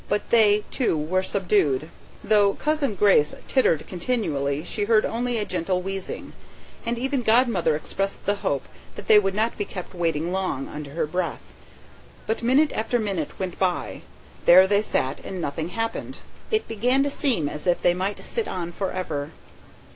But they, too, were subdued; though Cousin Grace tittered continually you heard only a gentle wheezing, and even Godmother expressed the hope that they would not be kept waiting long, under her breath. But minute after minute went by; there they sat and nothing happened. It began to seem as if they might sit on for ever.